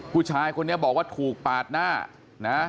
ผู้ชายคนนี้บอกว่าถูกปาดหน้านะ